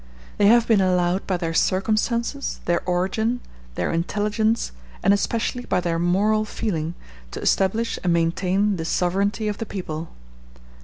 They have been allowed by their circumstances, their origin, their intelligence, and especially by their moral feeling, to establish and maintain the sovereignty of the people.